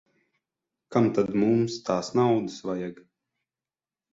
Kam tad mums tās naudas vajag.